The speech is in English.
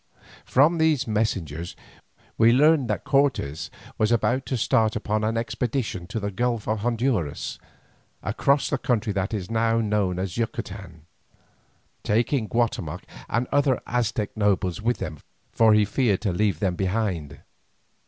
From these messengers we learned that Cortes was about to start upon an expedition to the Gulf of Honduras, across the country that is now known as Yucatan, taking Guatemoc and other Aztec nobles with him for he feared to leave them behind.